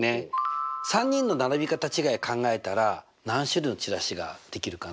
３人の並び方違いを考えたら何種類のチラシができるかな？